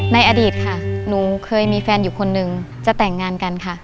ในอดีตค่ะหนูเคยมีแฟนอยู่คนนึงจะแต่งงานกันค่ะ